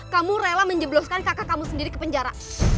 kamu rela menjebloskan kakak kamu sendiri ke penjara